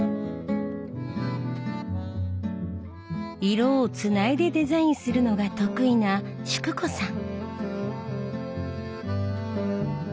色をつないでデザインするのが得意な淑子さん。